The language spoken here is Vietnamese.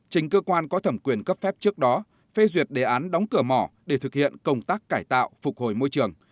trình cơ quan có thẩm quyền cấp phép trước đó phê duyệt đề án đóng cửa mỏ để thực hiện công tác cải tạo phục hồi môi trường